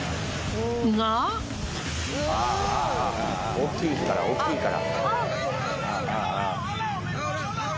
大きいから大きいから。